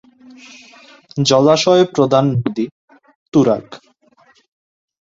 জলাশয় প্রধান নদী: তুরাগ।